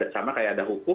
sama kayak ada hukum